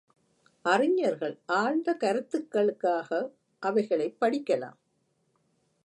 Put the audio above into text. அறிஞர்கள் ஆழ்ந்த கருத்துக்களுக்காக அவைகளைப் படிக்கலாம்.